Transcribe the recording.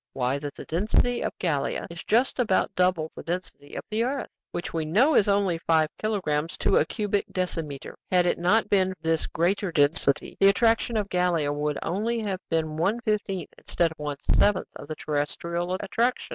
Why, that the density of Gallia is just about double the density of the earth, which we know is only five kilogrammes to a cubic decimeter. Had it not been for this greater density, the attraction of Gallia would only have been one fifteenth instead of one seventh of the terrestrial attraction."